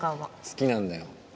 好きなんだよ